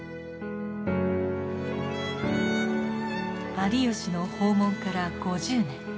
有吉の訪問から５０年。